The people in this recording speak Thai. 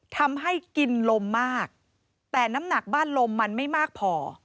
ทำให้กินลมมากแต่น้ำหนักบ้านลมมันไม่มากพอ